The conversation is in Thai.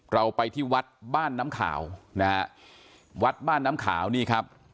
เราไปที่วัดบ้านน้ำขาวนะฮะวัดบ้านน้ำขาวนี่ครับ